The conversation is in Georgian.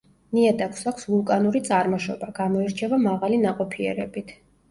ნიადაგს აქვს ვულკანური წარმოშობა; გამოირჩევა მაღალი ნაყოფიერებით.